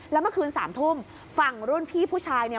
แล้วเมื่อคืน๓ทุ่มฝั่งรุ่นพี่ผู้ชายเนี่ย